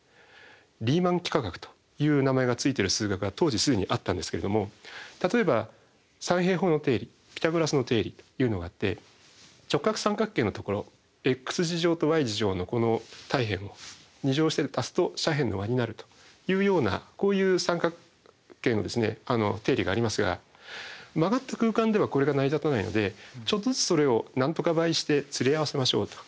リーマン幾何学という名前が付いてる数学は当時既にあったんですけれども例えば三平方の定理ピタゴラスの定理というのがあって直角三角形のところｘとｙのこの対辺を２乗して足すと斜辺の和になるというようなこういう三角形の定理がありますが曲がった空間ではこれが成り立たないのでちょっとずつそれを何とか倍してつり合わせましょうと。